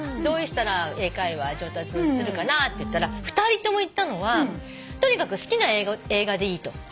どうしたら英会話上達するかなって言ったら２人とも言ったのはとにかく好きな映画でいいと。